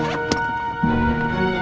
ada apa ya